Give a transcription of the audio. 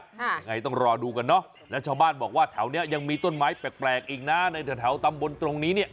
ยังไงต้องรอดูกันเนอะแล้วชาวบ้านบอกว่าแถวเนี้ยยังมีต้นไม้แปลกอีกนะในแถวตำบลตรงนี้เนี่ย